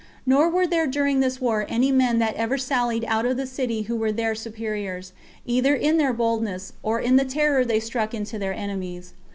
Nor were there during this war any men that ever sallied out of the city who were their superiors, either in their boldness, or in the terror they struck into their enemies.